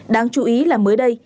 đáng chú ý là mới đây